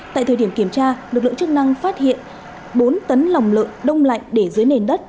tại thời điểm kiểm tra lực lượng chức năng phát hiện bốn tấn lòng lợn đông lạnh để dưới nền đất